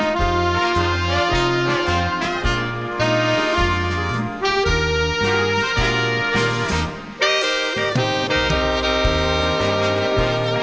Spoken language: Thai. จุฬังกรม